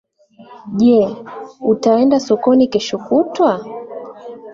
Je, utaenda sokoni kesho kutwa?